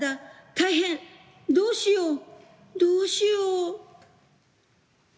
たいへん、どうしよう、どうしよう。